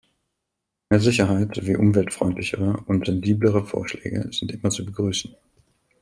Mehr Sicherheit sowie umweltfreundlichere und sensiblere Vorschläge sind immer zu begrüßen.